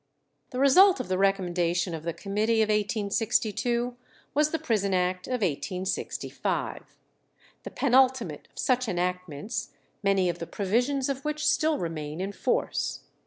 The result of the recommendation of the committee of 1862 was the Prison Act of 1865, the penultimate of such enactments, many of the provisions of which still remain in force.